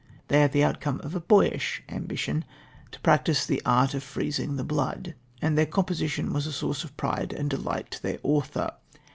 They are the outcome of a boyish ambition to practise the art of freezing the blood, and their composition was a source of pride and delight to their author.